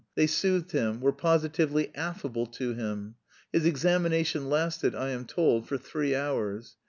They soothed him, were positively affable to him. His examination lasted, I am told, for three hours.